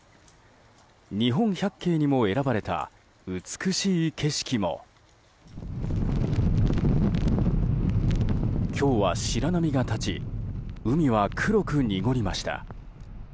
日本百景にも選ばれた美しい景色も今日は白波が立ち海は黒く濁りました。